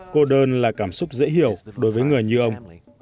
cô đơn là cảm xúc dễ hiểu đối với người như ông